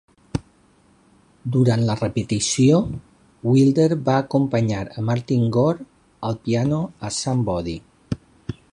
Durant la repetició, Wilder va acompanyar a Martin Gore al piano a "Somebody".